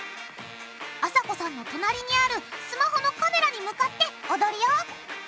あさこさんの隣にあるスマホのカメラに向かって踊るよ！